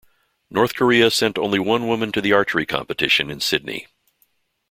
North Korea sent only one woman to the archery competition in Sydney.